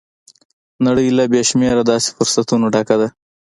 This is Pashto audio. نړۍ له بې شمېره داسې فرصتونو ډکه ده.